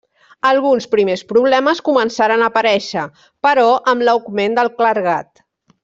Alguns primers problemes començaren a aparèixer, però, amb l'augment del clergat.